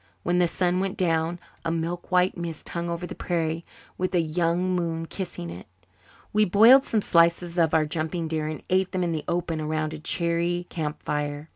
When the sun went down a milk white mist hung over the prairie, with a young moon kissing it. We boiled some slices of our jumping deer and ate them in the open around a cheery camp fire.